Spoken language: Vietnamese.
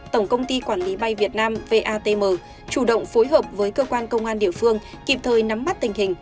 tổng công ty quản lý bay việt nam vatm chủ động phối hợp với cơ quan công an địa phương kịp thời nắm bắt tình hình